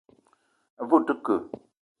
A ve o te ke ?